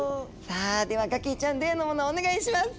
さあではガキィちゃん例のものをお願いします！